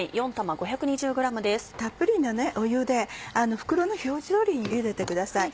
たっぷりの湯で袋の表示通りに茹でてください。